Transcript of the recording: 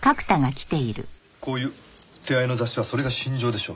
こういう手合いの雑誌はそれが身上でしょう？